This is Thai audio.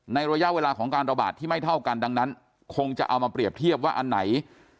ระยะเวลาของการระบาดที่ไม่เท่ากันดังนั้นคงจะเอามาเปรียบเทียบว่าอันไหน